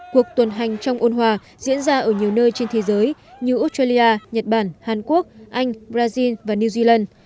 cuộc tuần hành trong ôn hòa diễn ra ở nhiều nơi trên thế giới như australia nhật bản hàn quốc anh brazil và new zealand